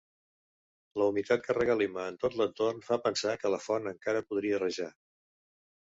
La humitat que regalima en tot l'entorn fa pensar que la font encara podria rajar.